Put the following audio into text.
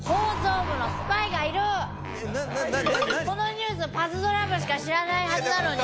このニュースパズドラ部しか知らないはずなのに。